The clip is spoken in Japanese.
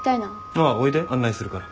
ああおいで案内するから。